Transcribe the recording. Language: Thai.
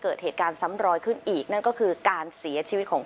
เกิดเหตุการณ์ซ้ำรอยขึ้นอีกนั่นก็คือการเสียชีวิตของ